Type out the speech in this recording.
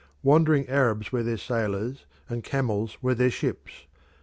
Wandering Arabs were their sailors, and camels were their ships.